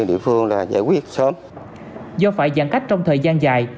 do phải giãn cách trong thời gian dài